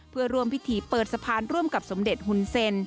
เพื่อร่วมพิธีเปิดสะพานร่วมกับสมเด็จหุ่นเซ็น